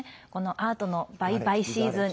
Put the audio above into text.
アートの売買シーズン。